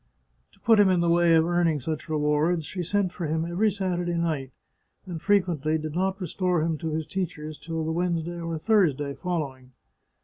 To put him in the way of earning such rewards, she sent for him every Saturday night, and frequently did not restore him to his teachers till the Wednesday or Thursday following.